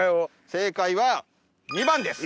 正解は番です。